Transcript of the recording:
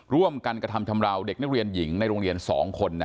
ร่วมกันกระทำชำราวเด็กนักเรียนหญิงในโรงเรียน๒คน